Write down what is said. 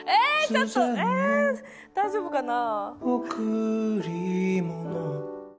ちょっとえ大丈夫かな？